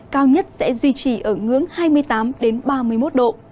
cao nhất sẽ duy trì ở ngưỡng hai mươi tám ba mươi một độ